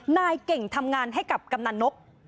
นายเก่งทำงานให้กับกำนันนก